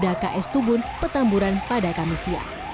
dari daerah ks tubun petamburan pada kamis siang